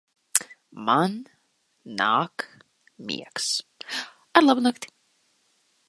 Man. Nāk. Miegs. Arlabunakti!